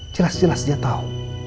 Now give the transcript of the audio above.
jelas jelas dia tau